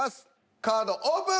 カードオープン！